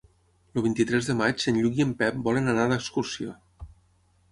El vint-i-tres de maig en Lluc i en Pep volen anar d'excursió.